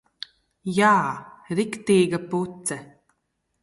Jā. Riktīga puce.